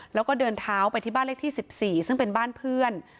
แล้วก็เดินเท้าไปที่บ้านเลขที่๑๔ซึ่งเป็นบ้านเพื่อน